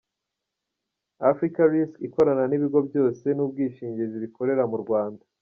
Afrika Risk ikorana n’ibigo byose by’ubwishingizi bikorera mu Rwanda.